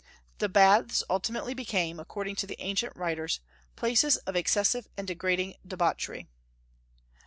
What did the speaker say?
The baths ultimately became, according to the ancient writers, places of excessive and degrading debauchery.